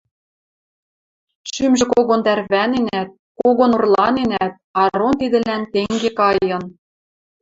Шӱмжӹ когон тӓрвӓненӓт, когон орланенӓт, Арон тидӹлӓн тенге кайын.